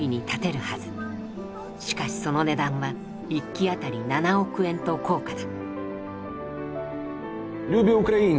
しかしその値段は１機当たり７億円と高価だ。